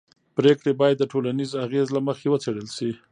پرېکړې باید د ټولنیز اغېز له مخې وڅېړل شي